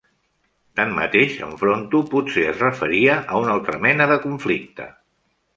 Tanmateix, en Fronto potser es referia a una altra mena de conflicte.